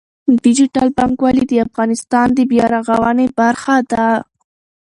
ډیجیټل بانکوالي د افغانستان د بیا رغونې برخه ده.